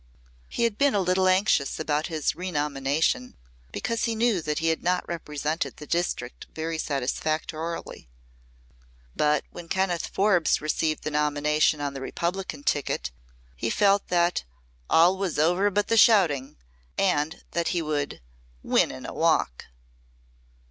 He had been a little anxious about his renomination, because he knew that he had not represented his district very satisfactorily; but when Kenneth Forbes received the nomination on the Republican ticket he felt that "all was over but the shouting" and that he would "win in a walk."